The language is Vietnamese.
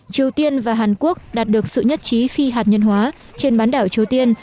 triều tiên và hàn quốc đạt được sự nhất trí phi hạt nhân hóa trên bán đảo triều tiên